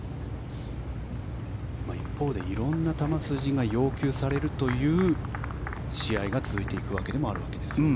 一方でいろいろな球筋が要求されるという試合が続いていくわけでもあるんですね。